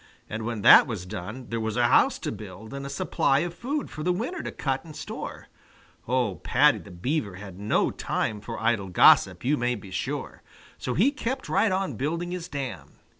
And when that was done there was a house to build and a supply of food for the winter to cut and store. Oh, Paddy the Beaver had no time for idle gossip, you may be sure! So he kept right on building his dam.